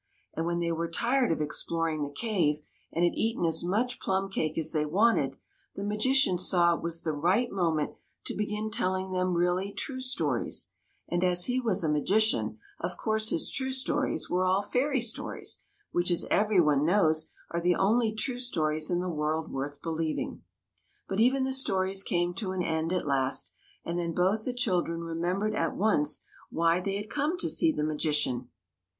And when they were tired of exploring the cave and had eaten as much plum cake as they wanted, the magician saw it was the right moment to begin telling them really true stories ; and as he was a magician, of course his true stories were all fairy stories, which, as every one knows, are the only true stories in the world worth believing. But even the stories came to an end at last, and then both the children remembered at once why they had come to see the magician.